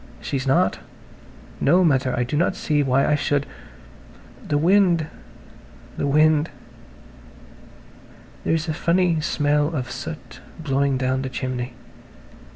She's not. No, Mother. I do not see why I should. ... The wind–the wind! There's a funny smell of [Page 142] soot blowing down the chimney.